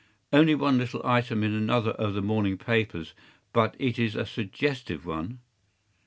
” “Only one little item in another of the morning papers, but it is a suggestive one.